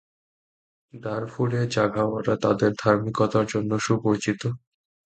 দারফুরে, জাঘাওয়ারা তাদের ধার্মিকতার জন্য সুপরিচিত।